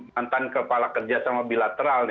mantan kepala kerja sama bilateral